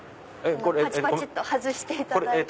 パチパチっと外していただいて。